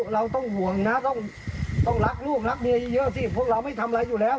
เราต้องห่วงนะต้องรักลูกรักเมียเยอะสิพวกเราไม่ทำอะไรอยู่แล้ว